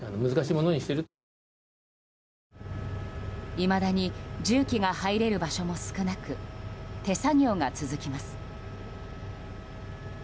いまだに重機が入れる場所も少なく手作業が続きます。